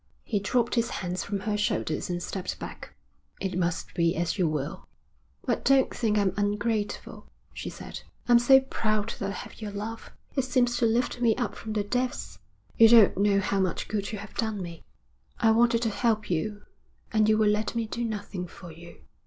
He dropped his hands from her shoulders and stepped back. 'It must be as you will.' 'But don't think I'm ungrateful,' she said. 'I'm so proud that I have your love. It seems to lift me up from the depths. You don't know how much good you have done me.' 'I wanted to help you, and you will let me do nothing for you.'